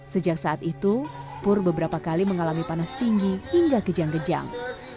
sejak saat itu pur beberapa kali mengalami panas tinggi hingga kejang kejang